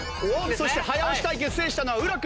そして早押し対決制したのは浦君。